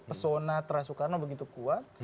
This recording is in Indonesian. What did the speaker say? pesona teras soekarno begitu kuat